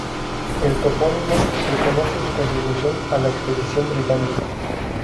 El topónimo reconoce su contribución a la expedición británica.